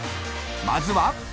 ［まずは］